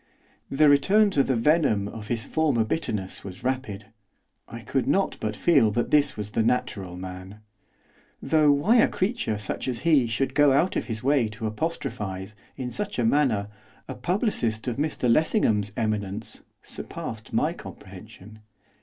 The return to the venom of his former bitterness was rapid, I could not but feel that this was the natural man. Though why a creature such as he was should go out of his way to apostrophise, in such a manner, a publicist of Mr Lessingham's eminence, surpassed my comprehension.